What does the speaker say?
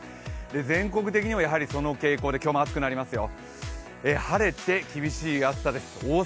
全国的にもその傾向で今日も暑くなりますよ。